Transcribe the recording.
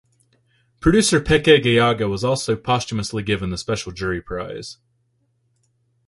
Producer Peque Gallaga was also posthumously given the Special Jury Prize.